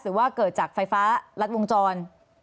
หรือว่าเกิดจากไฟฟ้ารัดวงจร